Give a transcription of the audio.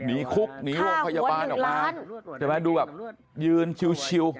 หนีคุกหนีโรงพยาบาลออกมาใช่ไหมดูแบบยืนชิว